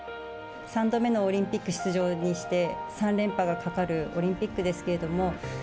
３度目のオリンピック出場にして３連覇がかかるオリンピックですけれども。